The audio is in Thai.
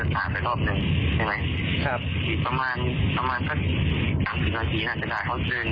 ก็เข้ามาว่าไปโฟนผมนี้เป็นนักศึกษ์